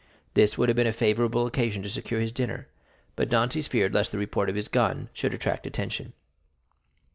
This would have been a favorable occasion to secure his dinner; but Dantès feared lest the report of his gun should attract attention.